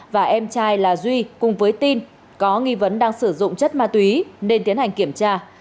và em trai là duy cùng với tin có nghi vấn đang sử dụng chất ma túy nên tiến hành kiểm tra